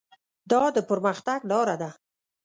دا د پرمختګ لاره ده.